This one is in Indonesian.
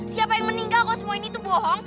siapa yang meninggal kok semua ini tuh bohong